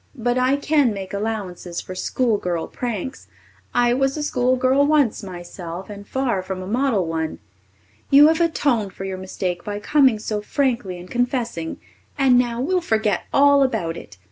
But I can make allowances for schoolgirl pranks. I was a school girl once myself, and far from a model one. You have atoned for your mistake by coming so frankly and confessing, and now we'll forget all about it.